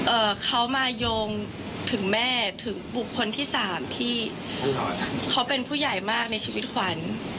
เอ่อเขามาโยงถึงแม่ถึงบุคคลที่สามที่เขาเป็นผู้ใหญ่มากในชีวิตขวัญ